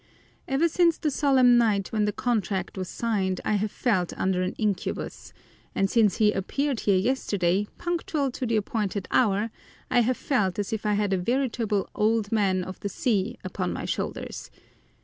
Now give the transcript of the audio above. Ever since the solemn night when the contract was signed I have felt under an incubus, and since he appeared here yesterday, punctual to the appointed hour, I have felt as if I had a veritable "old man of the sea" upon my shoulders.